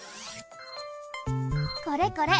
これこれ！